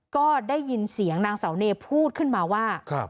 ก็ได้ยินเสียงนางเสาเนยพูดขึ้นมาว่า